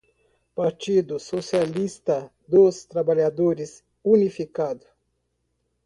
Partido socialista dos trabalhadores unificado